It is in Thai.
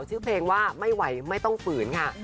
ชื่อเพลงว่าไม่ไหวไม่ต้องฝืนค่ะ